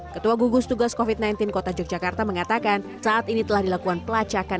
ketua gugus tugas covid sembilan belas kota yogyakarta mengatakan saat ini telah dilakukan pelacakan